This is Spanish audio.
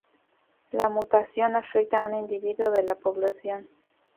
La mutación afecta a un individuo de la población.